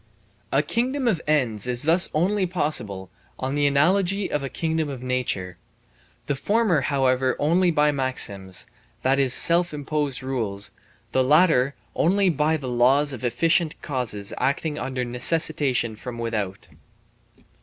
A kingdom of ends is thus only possible on the analogy of a kingdom of nature, the former however only by maxims, that is self imposed rules, the latter only by the laws of efficient causes acting under necessitation from without.